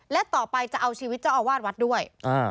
และต่อไปจะเอาชีวิตเจ้าอาวาสวัดด้วย